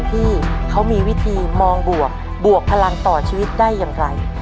ที่เขามีวิธีมองบวกบวกพลังต่อชีวิตได้อย่างไร